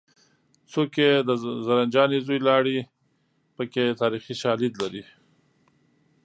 څوک یې د زرجانې زوی لاړې پکې تاریخي شالید لري